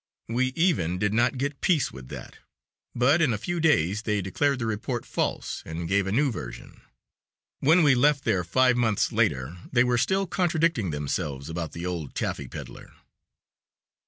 We even did not get peace with that, but in a few days they declared the report false and gave a new version. When we left there, five months later, they were still contradicting themselves about the old taffy peddler.